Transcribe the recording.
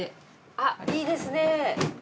あっいいですね。